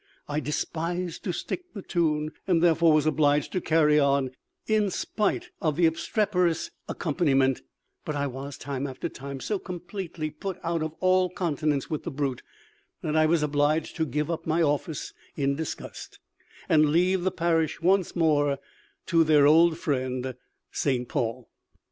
I despised to stick the tune, and therefore was obliged to carry on in spite of the obstreperous accompaniment; but I was, time after time, so completely put out of all countenance with the brute, that I was obliged to give up my office in disgust, and leave the parish once more to their old friend, St. Paul.